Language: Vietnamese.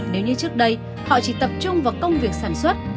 nếu như trước đây họ chỉ tập trung vào công việc sản xuất